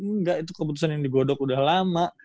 enggak itu keputusan yang digodok udah lama